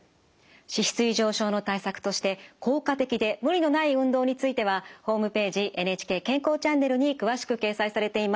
脂質異常症の対策として効果的で無理のない運動についてはホームページ「ＮＨＫ健康チャンネル」に詳しく掲載されています。